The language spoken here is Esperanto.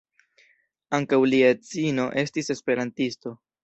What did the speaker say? Ankaŭ lia edzino estis esperantisto.